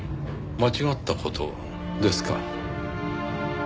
「間違ったこと」ですか。